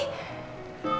itu kenapa sih